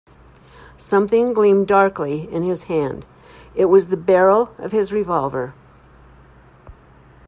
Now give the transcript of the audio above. Something gleamed darkly in his hand; it was the barrel of his revolver.